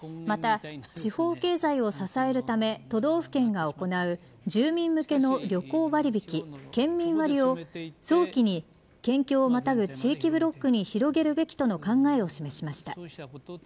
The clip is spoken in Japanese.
また、地方経済を支えるため都道府県が行う住民向けの旅行割引県民割を早期に県境をまたぐ地域ブロックに広げるべきとの考えを示しました。